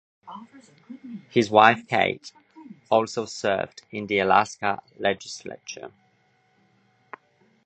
His wife Kate also served in the Alaska Legislature.